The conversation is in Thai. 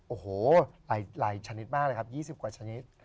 โอ้โหหลายชนิดมากเลยครับ๒๐กว่าชนิด